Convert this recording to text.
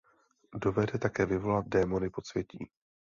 Dovede také vyvolat démony podsvětí.